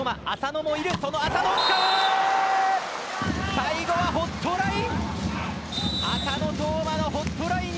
最後はホットライン。